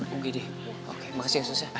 ugd oke makasih ya sus ya